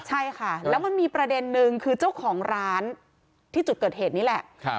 ใช่ค่ะแล้วมันมีประเด็นนึงคือเจ้าของร้านที่จุดเกิดเหตุนี่แหละ